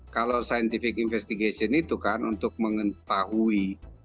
kalau scientific investigation itu kan untuk mengetahui